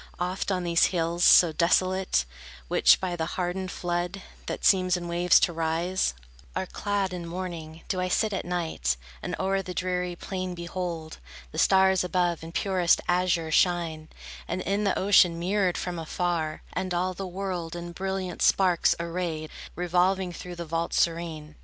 Oft, on these hills, so desolate, Which by the hardened flood, That seems in waves to rise, Are clad in mourning, do I sit at night, And o'er the dreary plain behold The stars above in purest azure shine, And in the ocean mirrored from afar, And all the world in brilliant sparks arrayed, Revolving through the vault serene.